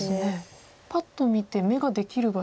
パッと見て眼ができる場所って。